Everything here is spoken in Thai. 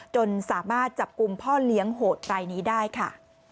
จนสามารถจับกลุ่มพ่อเลี้ยงโหดรายนี้ได้ค่ะ